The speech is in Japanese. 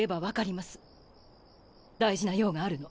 大事な用があるの。